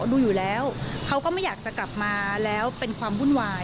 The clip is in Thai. ดูอยู่แล้วเขาก็ไม่อยากจะกลับมาแล้วเป็นความวุ่นวาย